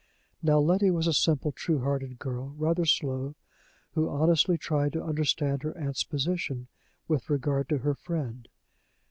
Now, Letty was a simple, true hearted girl, rather slow, who honestly tried to understand her aunt's position with regard to her friend.